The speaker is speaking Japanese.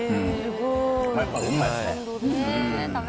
やっぱりうまいですね。